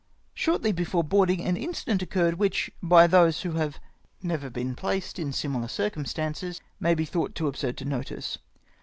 Shortly before boarding an incident occirrred which, by those who have never been placed in similar circum stances, may be thought too absurd for notice.